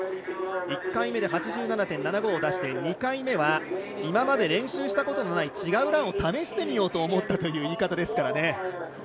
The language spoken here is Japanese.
１回目で８７．７５を出し２回目は今まで練習したことのない違うランを試してみようと思ったという言い方ですからね。